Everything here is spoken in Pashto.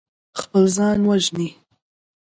خپل ځان وژني.